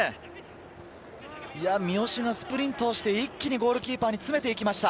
三好がスプリントして、一気にゴールキーパーに詰めていきました。